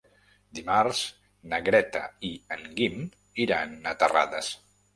Dimarts na Greta i en Guim iran a Terrades.